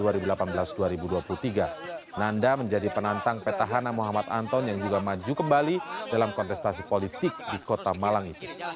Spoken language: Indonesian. nanda menjadi penantang petahana muhammad anton yang juga maju kembali dalam kontestasi politik di kota malang itu